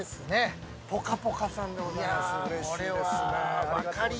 「ぽかぽか」さんでございます。